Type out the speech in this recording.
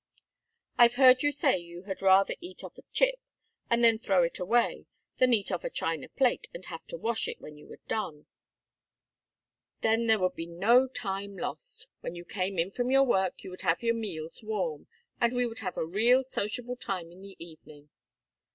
I've heard you say you had rather eat off a chip, and then throw it away, than eat off a china plate, and have to wash it when you were done; then there would be no time lost. When you came in from your work you would have your meals warm, and we would have a real sociable time in the evening."